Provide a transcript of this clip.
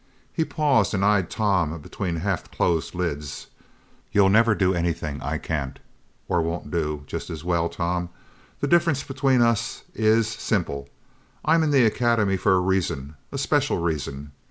He paused and eyed Tom between half closed lids. "You'll never do anything I can't, or won't do, just as well, Tom. The difference between us is simple. I'm in the Academy for a reason, a special reason.